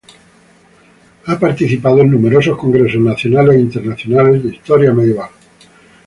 Ha participado en numerosos congresos nacionales e internacionales de Historia Medieval.